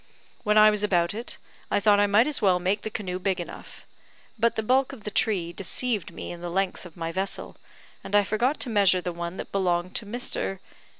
When I was about it, I thought I might as well make the canoe big enough; but the bulk of the tree deceived me in the length of my vessel, and I forgot to measure the one that belonged to Mr.